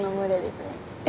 え